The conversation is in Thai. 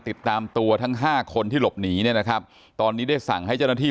ติดตามตัวทั้งห้าคนที่หลบหนีเนี่ยนะครับตอนนี้ได้สั่งให้เจ้าหน้าที่